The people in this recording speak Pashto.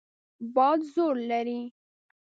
باد زور لري.